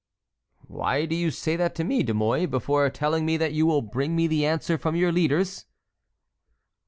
"Why do you say that to me, De Mouy, before telling me that you will bring me the answer from your leaders?"